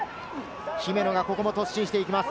姫野が突進していきます。